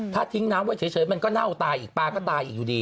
ถ้าทิ้งน้ำไว้เฉยมันก็เน่าตายอีกปลาก็ตายอีกอยู่ดี